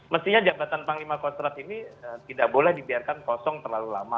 mestinya jabatan panglima kostrat ini tidak boleh dibiarkan kosong terlalu lama